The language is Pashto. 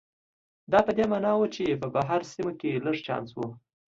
دا په دې معنا و چې په بهر سیمو کې لږ چانس و.